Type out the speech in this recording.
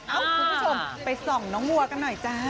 คุณผู้ชมไปส่องน้องวัวกันหน่อยจ้า